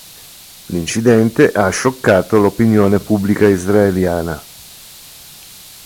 L'incidente ha scioccato l'opinione pubblica israeliana.